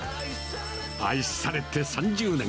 愛されて３０年。